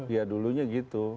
ya dulunya gitu